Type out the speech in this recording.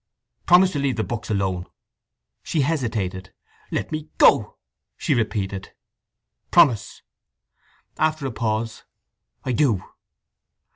"Promise to leave the books alone." She hesitated. "Let me go!" she repeated. "Promise!" After a pause: "I do."